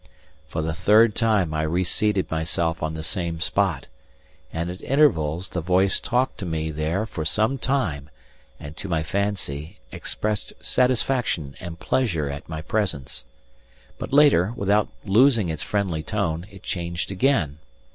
For the third time I reseated myself on the same spot, and at intervals the voice talked to me there for some time and, to my fancy, expressed satisfaction and pleasure at my presence. But later, without losing its friendly tone, it changed again.